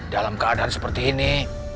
dalam keadaan seperti ini